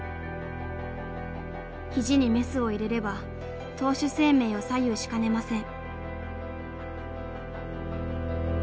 ひじにメスを入れれば投手生命を左右しかねません。